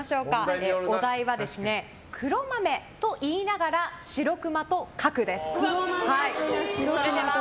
お題は、黒豆と言いながら白クマと書くです。